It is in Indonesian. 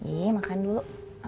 iya makan dulu